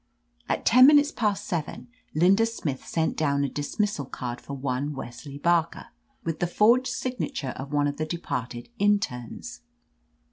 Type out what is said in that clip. At ten minutes past seven, Linda Smith sent down a dismissal card for one Wesley Barker, with the forged signature of one of the departed internes.